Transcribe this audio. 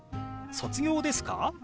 「卒業ですか？」。